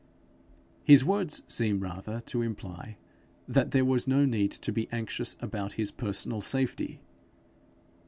His words seem rather to imply that there was no need to be anxious about his personal safety.